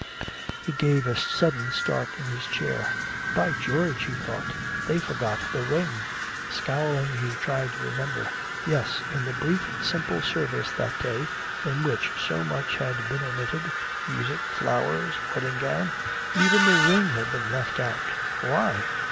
He gave a sudden start in his chair. "By George!" he thought. "They forgot the ring!" Scowling, he tried to remember. Yes, in the brief simple service that day, in which so much had been omitted music, flowers, wedding gown even the ring had been left out. Why?